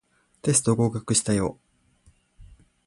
テスト合格したよ